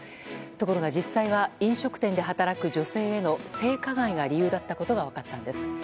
ところが、実際は飲食店で働く女性への性加害が理由だったことが分かったんです。